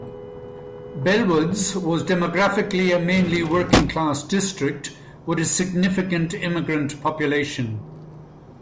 Bellwoods was demographically a mainly working class district, with a significant immigrant population.